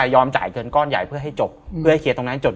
จ่ายเงินก้อนใหญ่เพื่อให้จบเพื่อให้เคลียร์ตรงนั้นจบ